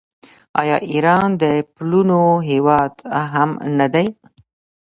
آیا ایران د پلونو هیواد هم نه دی؟